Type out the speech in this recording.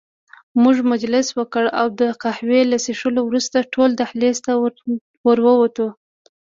موږ مجلس وکړ او د قهوې له څښلو وروسته ټول دهلېز ته ور ووتو.